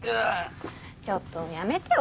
ちょっとやめてよ